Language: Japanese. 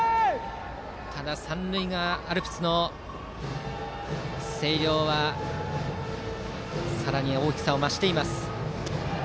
ただ、三塁側、アルプスの声量がさらに大きさを増しています。